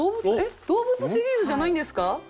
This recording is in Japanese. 動物シリーズじゃないんですか？